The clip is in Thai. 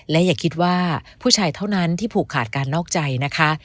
และอย่าคิดว่าผู้ชายเท่านั้นที่ผูกขาดการนอกใจนะคะ